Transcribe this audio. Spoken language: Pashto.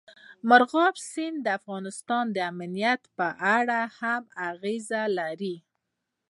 مورغاب سیند د افغانستان د امنیت په اړه هم اغېز لري.